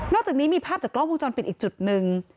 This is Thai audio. อกจากนี้มีภาพจากกล้องวงจรปิดอีกจุดหนึ่ง